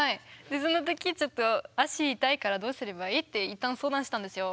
でその時ちょっと「足痛いからどうすればいい？」って一旦相談したんですよ。